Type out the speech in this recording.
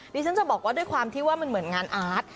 ดิฉันจะบอกว่าด้วยความที่ว่ามันเหมือนงานอาร์ต